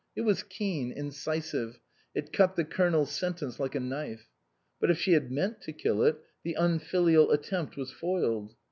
It was keen, incisive ; it cut the Colonel's sentence like a knife. But if she had meant to kill it, the un filial attempt was foiled.